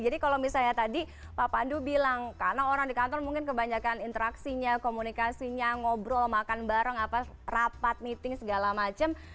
jadi kalau misalnya tadi pak pandu bilang karena orang di kantor mungkin kebanyakan interaksinya komunikasinya ngobrol makan bareng rapat meeting segala macam